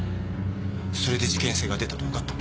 それで事件性が出たとわかった。